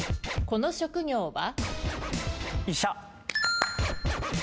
この職業は？